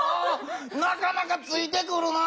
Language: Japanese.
なかなかついてくるな。